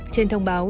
trên thông báo